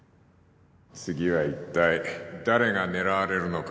次は一体誰が狙われるのか